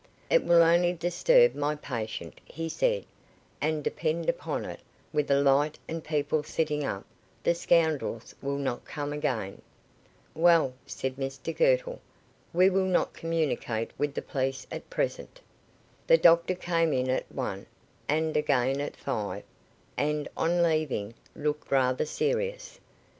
"It will only disturb my patient," he said, "and, depend upon it, with a light and people sitting up, the scoundrels will not come again." "Well," said Mr Girtle, "we will not communicate with the police at present." The doctor came in at one, and again at five; and, on leaving, looked rather serious.